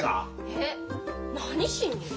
えっ何しに？